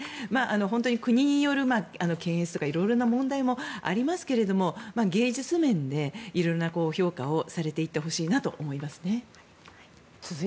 本当に国による検閲とか色々な問題もありますが芸術面で色々な評価をされていってほしいなと思いますね。